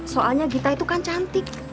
soalnya gita itu kan cantik